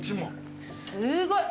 すごい。